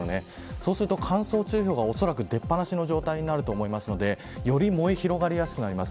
そうすると乾燥注意報がおそらく出放しの状態になると思うのでより燃え広がりやすくなります。